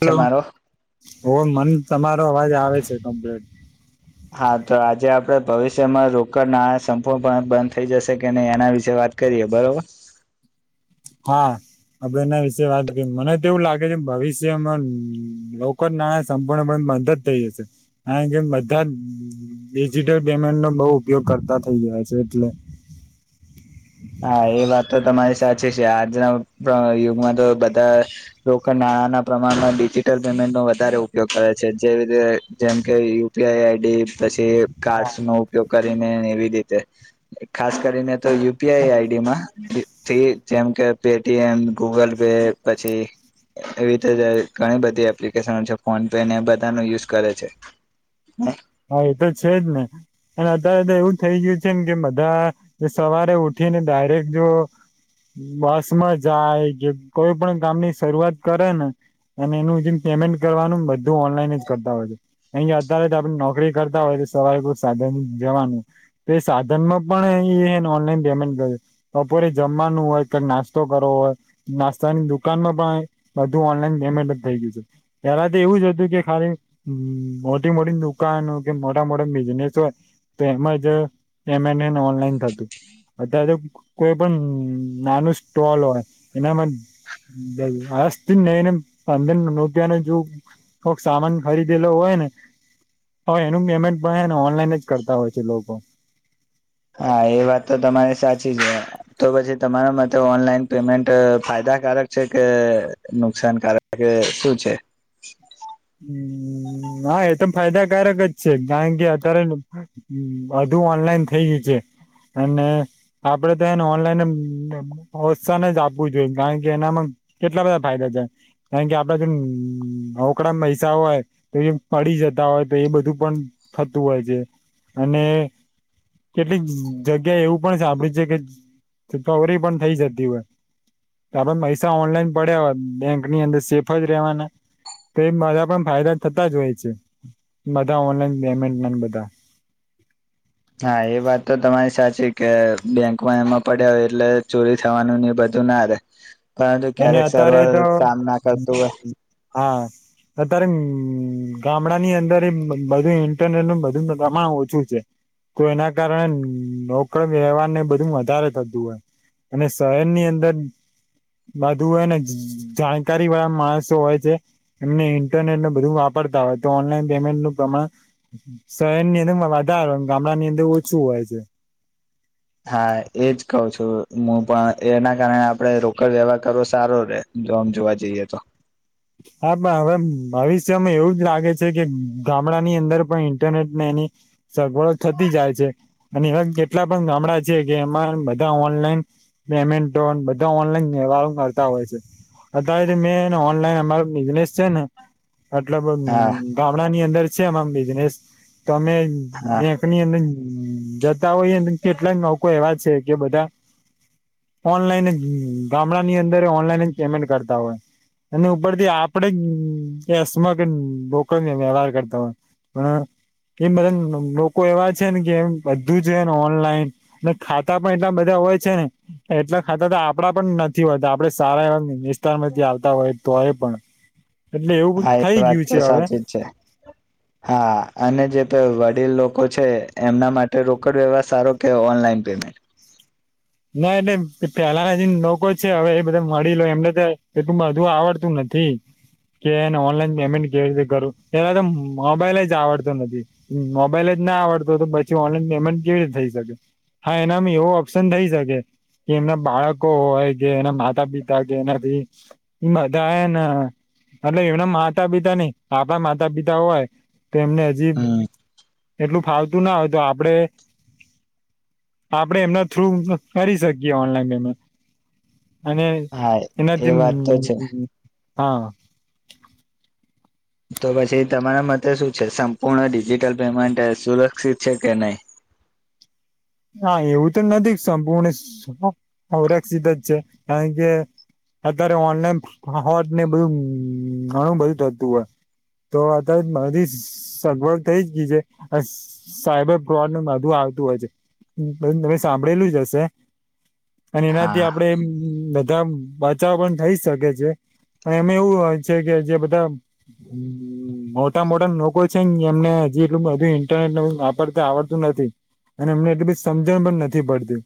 છે લો મારો ઓ મન તમારો અવાજ આવે છે કમ્પ્લીટ હા તો આજે આપણે ભવિષ્યમાં રોકડ નાણાં સંપૂર્ણપણે બંધ થઈ જશે કે નહીં એના વિશે વાત કરીએ બરા હ હા આપડે એના વિશે વાત કરી મને તો એવું લાગે છે. ભવિષ્યમાં લોકન નાણા સંપૂર્ણપણ બંધ જ થઈ જશે કારણ કે બધા જ ડિજિટલ પેમેન્ટ નો બહુ ઉપયોગ કરતા થઈ થાય છે એટલે હા એ વાત તો તમારી સાચી છે આજના પ યુગમાં તો બધા જ રોકડ ના નાના પ્રમાણમાં ડિજટલ પેમેન્ટનો વધારે ઉપયોગ કરે છે, જેવી રીતે જેમ કે યુપીઆઈઆઈડી પછી તે હા કાર્ડસ નો ઉપયોગ કરીને એવી રીતે ખાસ કરીને તો યુ યીઆઈઆઈડીમાંથી જેમ કે પે ટીએમ, ગૂગલ પે પછી એવી રીતે ઘણી બધી એપ્લિકેશનો છે ફોન પે ને બધાનો યુઝ કરે છે. હા એ તો છે જ ને અને અત્યારે તો એવું જ થઈ ગયું છે ને કે બધા સવારે ઉઠીને ડાયરેક્ટ જો બસમાં જાય જે કોઈ પણ કામની શરૂઆત કરે ને અને એનું જેમ પેમેન્ટ કરવાનું બધું ઓનલાઈન જ કરતા હોય છે, કારણ કે અત્યારે [unintelligible] નોકરી કરતા હોય તો સવારે કોક સાધન જવાનું તે સાધનમાં પણ ઈ એ ઓનલાઈન પેમેન્ટ કરે બપોરે જમવાનું હોય કે નાસ્તો કરવો હોય નાસ્તાની દુકાનમાં પણ બધુ બધું ઓનલાઈન પેમેન્ટ જ થઈ ગયું છે પહેલા તો એવું જ હતું કે ખાલી મોટી મોટી દુકા દુકાનો કે મોટા મોટા બિઝનેસ હોય તો એમ જ પેમેન્ટ ઓનલાઈન થતું. અત્યારે તો કોઈ પણ નાનું સ્ટોલ હોય એનામાં અસ્તો નેને પંદર રૂપિયાને જો કોક સામાન ખરીદેલો હોય ને હોય એનું પેમેન્ટ પણ ઓનલાઈન જ કરતા હોય છે લોકો હા એ વાત તો તમારે સાચી છે, તો પછી તમારા માટે ઓનલાઈન પેમેન્ટ ફાયદા ફાયદાકારક છે કે નુકસાનકારક કે શું છે. હમ [inaudible] હમમ હા એ તો ફાયદાકારક જ છે કારણ કે અત્યારે લોકો બધુ ઓનલાઈન થઈ ગયું છે. અને આપડે તો એને ઓનલાઈન અવસાન જ આપવું જોઈએ કારણ કે એનામાં કેટલા બધા ફાયદા છે, કારણ કે આપડાથી નવો કકડા મઈસા હોય તો, એ પડી જતા હોય તો એ બધું પણ થતું હોય છે. અને કેટલીક જગ્યા એવું પણ સાંભળ્યું છે કે કવરી પણ થઇ જતી હોય આપડે મહેસા ઓનલાઈન પડ્યા હોત બેંકની અંદર સેફ જ રેહવાના. તે બધામાં ફાયદા થતા જ હોય છે બધા ઓનલાઈન પેમેન્ટના ને બધાના [inaudible] હા, એ વાત તો તમારી સાચી કે બેંકમાં એમાં પડ્યા હોય એટલે ચોરી થવાનું ને બધું તો ના ર પરંતુ અને ક્યારેક અત્યારે સર્વર તો કામ ના કરતું હોય હા અત્યારે..... ગામડાની અંદર એક બધું ઇન્ટરનેટ ને બધું બધામાં ઓછું છે. તો એના કારણે નોકર વ્યવહાર ને બધું વધારે થતું હોય. અને શહેરની અંદર બધું હે ને જાણકારી વાળા માણસો હોય છે એમને ઇન્ટરનેટને બધું વાપરતા હવે તો ઓનલાઈન પેમેન્ટ નું પ્રમાણ શહેરની અંદર વધાર હોય અને ગામડા ની અંદર ઓછું હોય છે [unintelligible] હા એજ કહું છું મું પણ એના કારણે આપડે રોકડ વ્યવહાર કરવો સારો રે જોબ જોવા જઈએ તો હા, પણ હવે ભવિષ્યમાં એવું જ લાગે છે કે ગામડા ની અંદર પણ ઇન્ટરનેટ ને ની સગવડો થતી જાય છે અને એવા જ કેટલા પણ ગામડા છે કે એમાં બધા ઓનલાઈન પેમેન્ટો બધા ઓનલાઈન રાઉન્ડ મારતા હોય છે, અત્યારે જે મે અને ઓનલાઈન મારે એક બિઝનેસ છે ને મતલબ હા ગામડા ની અંદર છે ને બિઝનેસ તમે હા બેંકની અંદર જતા હોય ને કેટલા લોકો એવા છે કે બધા ઓનલાઈન જ ગામડા ની અંદર ઓનલાઈન જ પેમેન્ટ કરતા હોય અને [unintelligible] આપ [unintelligible] રોક વ્યવહાર કરતા હોય પણ એ બધા લોકો એવા છે ને કે એમ બધું જને ઓનલાઈન અને ખાતા પણ એટલા બધા હોય છે, ને એટલા ખાતા તો આપડા પણ નથી હોય આપડે સારા એવા વિસ્તાર માંથી આવતા હોય તોય પણ. એટલે એવું હા એ થઈ વાત ગયું તો છે હવે સાચી જ છે, હા અને જે [unintelligible] વડીલ લોકો છે, એમના માટે રોકડ વ્યવહાર સારો કે ઓનલાઈન પેમેન્ટ. ના એટલે પેલા [unintelligible] લોકો છે, હવે એ બધા મળી લો એમને તો એ તું બધું આવડતું નથી. [inaudible] કે એને ઓનલાઈન પેમેન્ટ કે કરરું એલા તો મોબાઈલ જ આવડતો નથી. મોબાઈલ જ ના આવડતો તો પછી ઓનલાઈન પેમેન્ટ કેવી રતે થઈ શકે. હા એનામાં એવો ઓપ્શન થઈ [unintelligible] કે એમના બાળકો હોય કે એના માતા પિતા કે એનાથી એ બધા ના એટલે એમના માતા પિતા નઈ આપડા માતા પિતા હોય તો એમને હજી હમ. એટલું ફાવતું ન કરી શકીએ ઓનલાઈન પેમેન્ટ. અને હા એ એનાથી વાત તો છે [unintelligible] તો પછી તમારા મતે શું છે, સંપૂર્ણ ડિજિટલ પેમેન્ટ સુરક્ષિત છે, કે નહીં? હા એવું તો નથી સંપૂર્ણ [unintelligible] જ છે, કારણ કે અત્યારે ઓનલાઈન હોત ને બધું ઘણું બધું થતું હોય. તો [unintelligible] મારી સગવડ થઈ જ ગઈ છે સાયબર [unintelligible] નું [unintelligible] [unintelligible] [unintelligible] તમે સાંભળેલું જ હશે અને એનાથી હા આપડે દમ બચાવ પણ થઇ શકે છે. એમે એવું હોય છે, કે જે બધા મોટા મોટા લોકો છે, એમને એટલું બધું ઇન્ટરનેટર આવડતું નથી અને એમને એટલું સમજણ પણ નથી પડતી.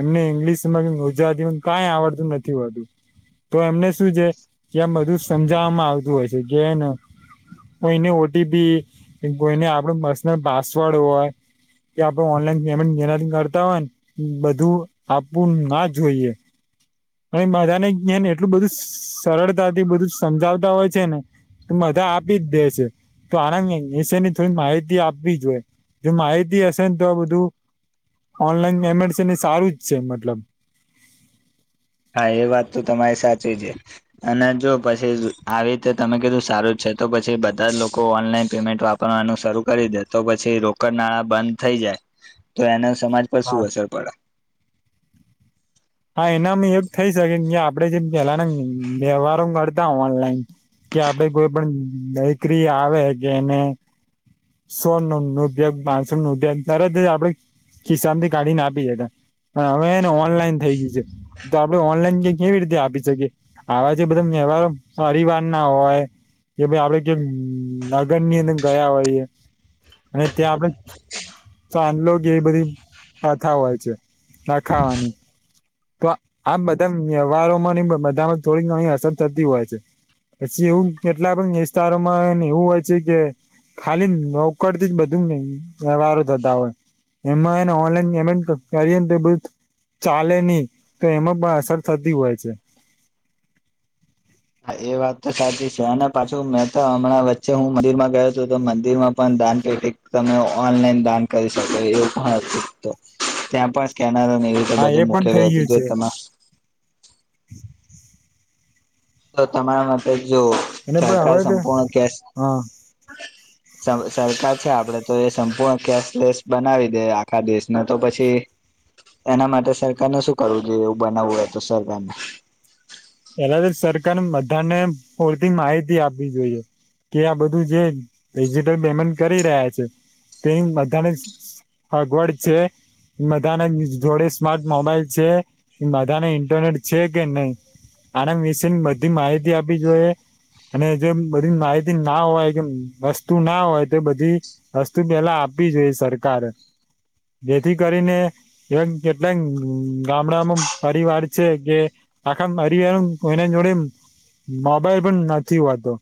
એમને ઈંગ્લિશમાં ગુજરાતી માં કઈ આવડતું નથી હોતું. તો એમને શું છે, કે આમ બધું સમજાવવામાં આવતું હોય છે, કેને કોઈને ઓટીપી, કોઈને આપણ પર્સનલ પાસવર્ડ હોય કે આપણે ઓનલાઈન પેમેન્ટ એનાથી કરતા હોય ને બધું આપવું ના જોઈએ. [unintelligible] જ એટલું બધું સરળતાથી બધું સમજાવતા હોય છે, ને તો બધા આપી જ દે છે તો આનંદ વિશેની થોડી માહિતી આપવી જ હોય. જો માહિતી હશે ને તો આ બધું ઓનલાઈન પેમેન્ટ છે ને સારું જ છે મતલબ. હા એ વાત તો તમારી સાચી છે અને જો પછી આવી તો તમે કીધું સારું જ છે તો પછી બધા જ લોકો ઓનલાઈન પેમેન્ટ વાપરવાનું શરૂ કરી દે તો પછી રોકડ નાળા બંધ થઈ જાય. તો એના સમાજ પર હા શું અસર પડે? હા એનામાં એક થઈ શકે જે આપડે જેમ પેલાના વ્યવહારો કરતા હો ઓનલાઈન કે આપડે કોઈ પણ દીકરી આવે કે એને સોળ ન નદ્યગ બાસણ નું ઉગ તર આપડ ખીસામાં થી કાઢી ના આપી દેતા. પણ હવેને ઓનલાઈન થઈ ગયું છે, તો આપડે ઓનલાઈન ક કેવી રીતે આપી શકીએ આવાજ બધ [unintelligible] ના હોય કે ભાઈ આપડે જે [unintelligible] ની અંદર ગયા હોય અને ત્યાં આપડ [unintelligible] એ બધી [unintelligible] હોય છે, નાખાવાની. તો આમ બધા વ્યવહારોમાં ની બધામાં થોડી ઘણી અસર થતી હોય છે. પછી એવું કેટલા પણ વિસ્તારોમાં એવું હોય છે, કે ખાલી નોકડ થી જ બધું [unintelligible] વ્યવહાર થતા હોય. એમાં ને ઓનલાઈન એેમેન્ટ કરીને તો બધ ચાલે નહી તો એમાં પણ અસર થતી હોય છે ા એ વાત તો સાચી છે અને પાછું મેં તો હમણાં વચ્ચે હું મંદિર માં ગયો હતોું તો મંદિર માં પણ દાન તમે ઓનલાઈન દાન કરી શકો એવું પણ હતું ત્યાં કેનારન એવી રીતે હા બધું એ પણ મૂકેલું થઈ હતું ગયું જો છે તમે તો તમારા માટેતે જો અને પણ સરકાર હવે તો સંપૂર્ણ કે હા સરકાર છે આપડે તો એ સંપૂર્ણ કેશલેસ બનાવી દે આખા દેશને તો પછી એના માટે સરકારને શું કરવું જોઈએ એવું બનાવવું હોય તો સરકારને પેલા તો સરકાર બધાને પૂરતી માહિતી આપવી જોઈએ કે આ બધું જે ડિજિટલ પેમેન્ટ કરી રહ્યા છે તે બધાને અગવાડ છે બધાને જોડે સ્માર્ટ મોબાઈલ છે એ બધાને ઇન્ટરનેટ છે કે નહી આના વિશે ની બધી માહિતી આપી જોઈએ અને જે બધી માહિતી ના હોય કે વસ્તુ ના હોય તો બધી વસ્તુ પેલા આપી જો સરકાર જેથી કરીને એ કેટલાક ગામડામાં પરિવાર છે કે આખા અરીવા એના જોડે મોબાઈલ પણ નથી હોતો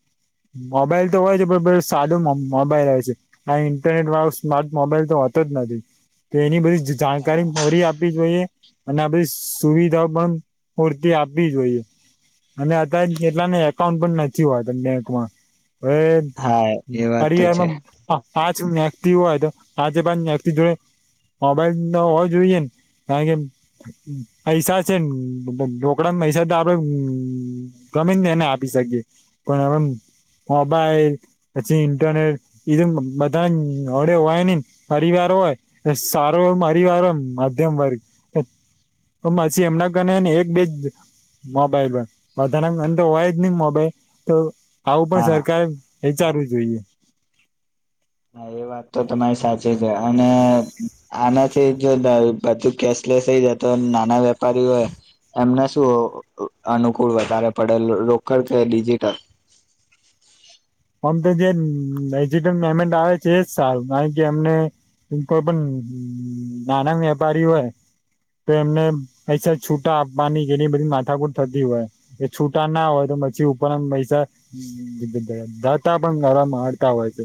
મોબાઈલ તો હોય છે પણ બ સાદો મોબાઈલ હો છે ઇન્ટરનેટ વાળો સ્માર્ટ મોબાઈલ તો હો જ નથી તો એની બધી જાણકારી મોરી આપવી જોઈએ અને આધી સુવિધા પણ પૂરતી આપ બી જોઈએ અને અત એટલાને એકાઉન્ટ પણ નથી હો બેંકમાં એ હા એ વાત તો પરનો છે તિ હોય તો આજે બ નટી જોડે મોબાઈલ ન હોવો જોઈએને કારણ કે પૈસા છે આપડા પૈસા તો આપડે ગમે ને એને આપી શકીએ પણ આપ મોબાઈલ પછી ઇન્ટરનેટ ધું બધા હોડે હોય નને પરિવાર સ હોય સારોય મારી વારમ મધ્યમ વર્ગ હ પછી એમના ઘરનેને એક બેજ મોબાઈલ બધાના એ તો હોય જ નહી મોબાઈલ તો આવું પણ હા સરકાર વિચારવું જોઈએ હા એ વાત તો તમારી સાચી છે અને આનાથી જો બધું કેશલેસ થઈ જ તો નાના વેપારી હોય એમને શું અનુકૂળ વધારે પડેલ રોકડ કે ડિજિટલ [unintelligible] આમ તો જેજ પેમેન્ટ આવે છે એજ સાલ કારણ કે એમને ત કોઈ પણ નાના વેપારી હોય તો એમને પૈસા છૂટા આપવાની કેલી બધી માથાકુર થતી હોય એ છૂટા ના હોય તો પછી ઉપરના પૈસા દાતા પણરા મારતા હોય છે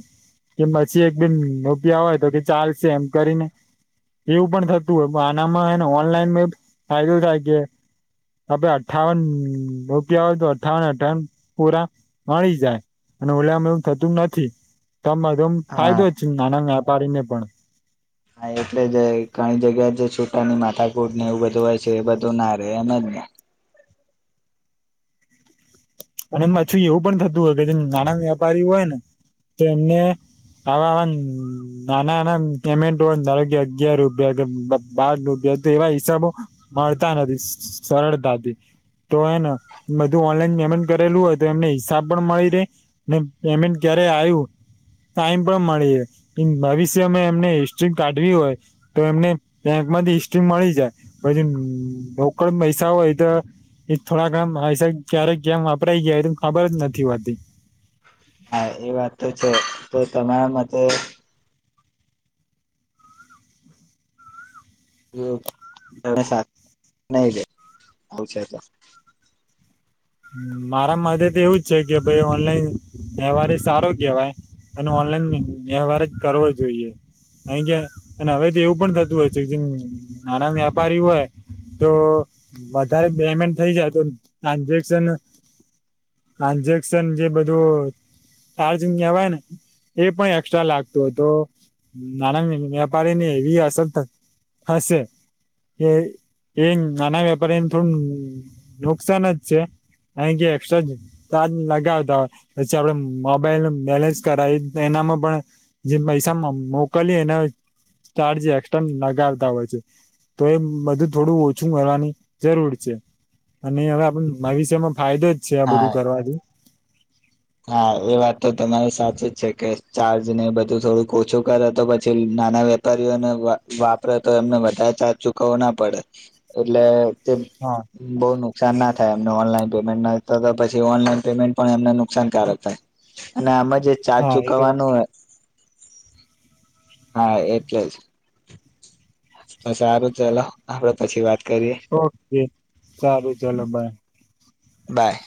કે પછી એક બેન રૂપિયા હોય તો કે ચાલશે એમ કરીને એવું પણ થતું હોય આનામાંને ઓનલાઈન ફાયદો થાય કે આપે અઠાવન રૂપિયા હોય તો અઠાવન અઠાવન પૂરા મળી જાય અને ઓલેમ એવું થતું નથી તોમધોમ હા ફાયદો જ છે નાના વેપારીને પણ હા એટલે જે ઘણી જગ્યા જે છૂટાની માથાકૂટ ને એવું બધું હોય છે એ બધું ના રહેે એમ જ ને [unintelligible] અને પાછીું એવું પણ થતું હોય કે જેમ નાના વેપારી હોય ને તો એમને અ નાનાના પેમેન્ટ દળગ અગિયાર રૂપિયા બાારદ રૂપિયા એવા હિસાબો મળતા નથી સરળતાથી તો એને બધું ઓનલાઈન પેમેન્ટ કરેલું હોય તો એમને હિસાબ પણ મળી રે પેમેન્ટ ક્યારે આવ્યું ટાઈમ પણ મળી ભવિષ્યમે એમને હિસ્ટ્રી કાઢવી હોય તો એમને ત્યાં માંથી હિસ્ટ્રી મળી જાય પછી રોકડ પૈસા હોય તો એ થોડા ઘસા ક્યારે કે્યામ વાપરાય ગયા ખબર જ નથી હોતી હા એ વાત તો છે તો તમારા માટેતે ત ન દે આવશે તો મારા મધ તો એવું જ છે કે ભ ઓનલાઈન તહેવારે સારો કેવાય અને ઓ વ્યવહાર જ કરવો જોઈએ અહી કે અને હવે તો એવું પણ થતું હોય છે જે નાના વ્યાપારી હોય તો વધારે પેમેન્ટ થઇ જાય તો ટ્રાન્ઝેક્શન આજેક્શન જે બધું ચાર્જંગ કવાય ને એ પણ એકક્સ્ટ્રા લાગતું હતો નાન વેપારીની એવી અસર હશે એ એ નાના વેપારીને થોડું નુકસાન જ છે અ કે એક્સ્ટ્રા ચાર્જ લગાવતા હોય પછી આપડે મોબાઈલ ન બેલેન્સ કરાવી એનામાં પણ જે પૈસા મોકલી એના ચાર્જ એકક્સા નાગારતા હોય છે તો એ બધું થોડું ઓછું કરવાની જરૂર છે અને હવે આપ મા વિષમાં ફાયદો જ છે આ હા બધું કરવાથી હા એ વાત તો તમારે સાચી જ છે કે ચાર્જ ને બધું થોડું ઓછું કરે તો પછી નાના વેપારીઓને વાપરે તો એમને વધારે ચાર્જ ચુકવો ના પડે એટલે હા બહુ નુકસાન ના થાય એમને ઓનલાઈન પેમેન્ટ ના થ પછી ઓનલાઈન પેમેન્ટ પણ એમને નુકસાનકારક થાય અને આમાં જે ચાર હા એ તો વાત. ચુકવવાનું હો હા એટલે જ સારું ચલો આપડ પછી વાત કરીએ ઓકે સારું ચલો બાય બાય